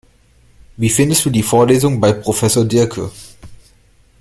Wie findest du die Vorlesungen bei Professor Diercke?